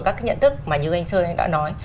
các cái nhận thức mà như anh sơn đã nói